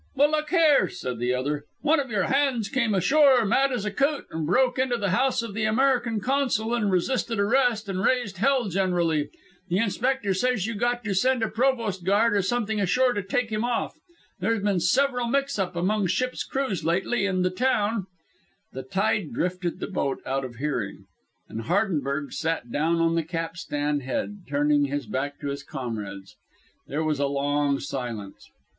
"Well, look here," said the other, "one of your hands came ashore mad as a coot and broke into the house of the American Consul, and resisted arrest and raised hell generally. The inspector says you got to send a provost guard or something ashore to take him off. There's been several mix ups among ships' crews lately and the town " The tide drifted the boat out of hearing, and Hardenberg sat down on the capstan head, turning his back to his comrades. There was a long silence.